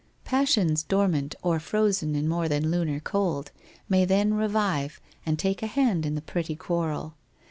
Passions dormant or frozen in more than lunar cold may then revive and take a hand in the pretty quarrel.